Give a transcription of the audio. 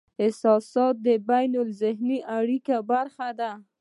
احساسات د بینالذهني اړیکې برخه دي.